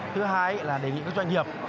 thứ hai là đề nghị các doanh nghiệp